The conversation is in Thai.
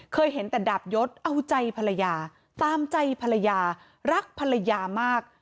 เคยเห็นแต่ดาบยศเอาใจภรรยาตามใจภรรยารักภรรยามาก